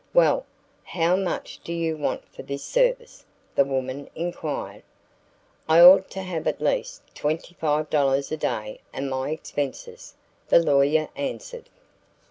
"Well, how much do you want for this service?" the woman inquired. "I ought to have at least $25 a day and my expenses," the lawyer answered.